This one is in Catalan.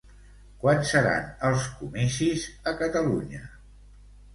Quan seran els comicis a Catalunya?